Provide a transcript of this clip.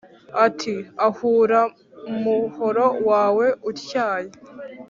ati “Ahura umuhoro wawe utyaye,